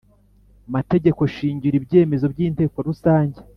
mategeko shingiro ibyemezo by Inteko rusange